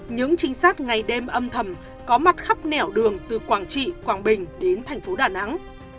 những trinh sát ngày đêm âm thầm có mặt khắp nẻo đường từ quảng trị quảng bình đến thành phố đà nẵng